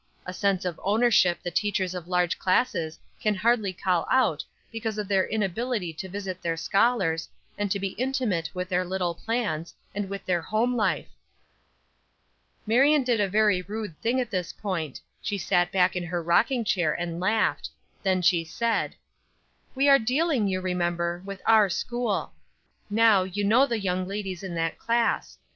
A sense of ownership that teachers of large classes can hardly call out because of their inability to visit their scholars, and to be intimate with their little plans, and with their home life." Marion did a very rude thing at this point she sat back in her rocking chair and laughed. Then she said: "We are dealing, you remember, with our school. Now, you know the young ladies in that class.